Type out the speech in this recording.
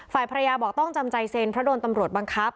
ฝ่ายภรรยาบอกต้องจำใจเซ็นเพราะโดนตำรวจบังคับ